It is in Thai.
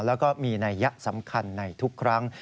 แล้วก็มีนัยยะสำคัญในทุกครั้ง